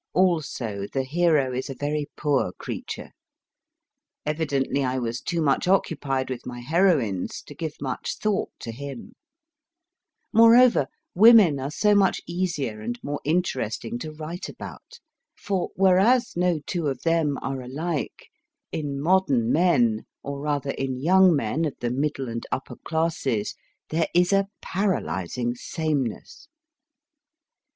Also, the hero is a very poor creature. Evidently I was too much occupied with my heroines to give much thought to him ; moreover, women are so much easier and more interest ing to write about, for whereas no two of them are alike, in modern men, or rather, in young men of the middle and upper classes, there is a paralysing sameness.